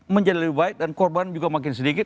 menjadi lebih baik dan korban juga makin sedikit